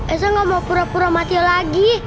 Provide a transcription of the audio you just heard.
esa gak mau pura pura mati lagi